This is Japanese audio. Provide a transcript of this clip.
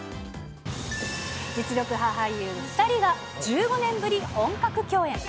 実力派俳優２人が、１５年ぶり本格共演。